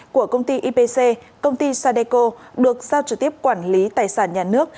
của công ty ipc công ty sadeco được giao trực tiếp quản lý tài sản nhà nước